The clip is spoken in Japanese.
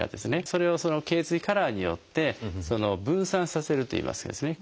それをその頚椎カラーによって分散させるといいますかですね